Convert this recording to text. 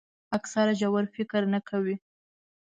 اکثره ژور فکر نه کوي.